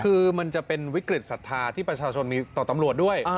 คือมันจะเป็นวิกฤตศรัทธาที่ประชาชนมีต่อตำรวจด้วย